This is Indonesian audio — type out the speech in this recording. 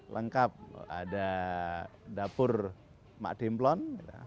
lengkap ada dapur mak timmplon